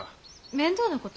面倒なこと？